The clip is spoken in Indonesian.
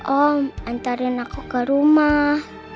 om antarin aku ke rumah